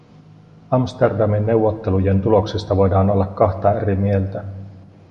Amsterdamin neuvottelujen tuloksista voidaan olla kahta eri mieltä.